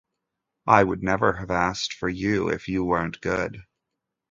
I would never have asked for you if you weren't good.